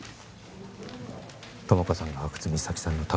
友果さんが阿久津実咲さんの